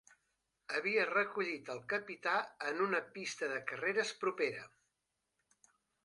Havia recollit el capità en una pista de carreres propera.